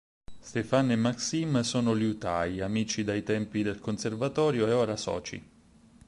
Stéphane e Maxime sono liutai, amici dai tempi del conservatorio e ora soci.